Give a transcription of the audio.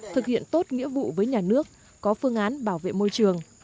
thực hiện tốt nghĩa vụ với nhà nước có phương án bảo vệ môi trường